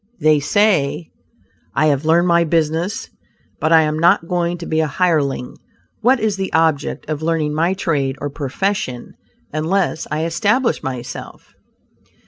They say; "I have learned my business, but I am not going to be a hireling; what is the object of learning my trade or profession, unless I establish myself?'"